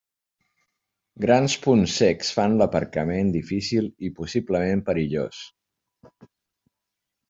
Grans punts cecs fan l'aparcament difícil i, possiblement, perillós.